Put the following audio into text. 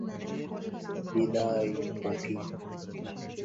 বিদায়, পোকি!